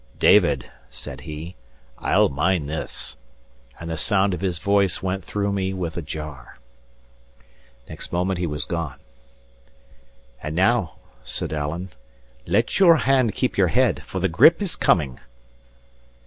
"David," said he, "I'll mind this;" and the sound of his voice went through me with a jar. Next moment he was gone. "And now," said Alan, "let your hand keep your head, for the grip is coming."